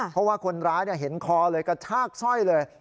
เพราะว่าคนร้ายเห็นคอเลยกระชากสร้อยเลย